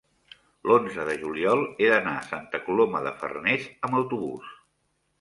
l'onze de juliol he d'anar a Santa Coloma de Farners amb autobús.